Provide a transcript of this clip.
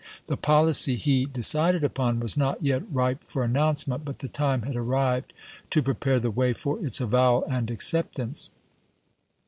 The policy he de cided upon was not yet ripe for announcement, but the time had arrived to prepare the way for its avowal and acceptance.